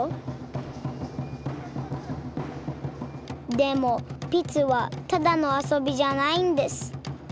でもピツはただの遊びじゃないんです。